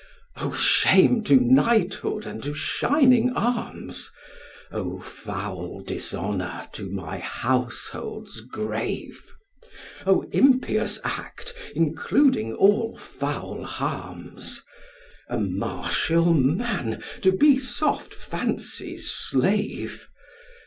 'O shame to knighthood and to shining arms! O foul dishonour to my household's grave! O impious act, including all foul harms! A martial man to be soft fancy's slave!